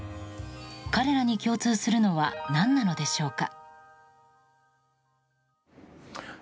彼らに共通するのは何なのでしょうか。